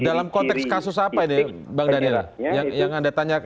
ini dalam konteks kasus apa ini bang daniel